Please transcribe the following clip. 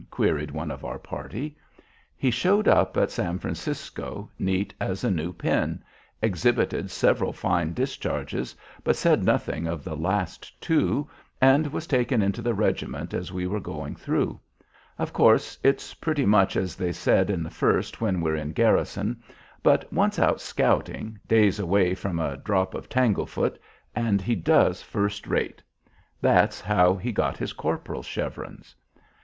queried one of our party. "He showed up at San Francisco, neat as a new pin; exhibited several fine discharges, but said nothing of the last two, and was taken into the regiment as we were going through. Of course, its pretty much as they said in the First when we're in garrison, but, once out scouting, days away from a drop of 'tanglefoot,' and he does first rate. That's how he got his corporal's chevrons."